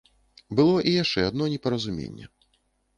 Было і яшчэ адно непаразуменне.